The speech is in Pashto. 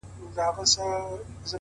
لوړ شخصیت په عاجزۍ ښکاري؛